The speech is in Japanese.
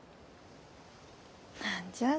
何じゃあ？